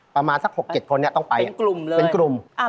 ประมาณสัก๖๗คนเนี่ยต้องไปเป็นกลุ่มเป็นกลุ่มเลย